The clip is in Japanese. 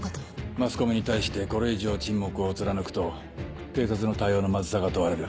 マスコミに対してこれ以上沈黙を貫くと警察の対応のまずさが問われる。